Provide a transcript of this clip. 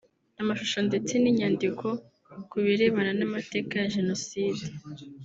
amashusho ndetse n’inyandiko ku birebana n’amateka ya Jenoside